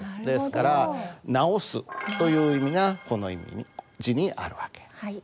ですから直すという意味がこの字にある訳。